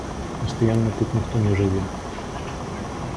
Пастаянна тут ніхто не жыве.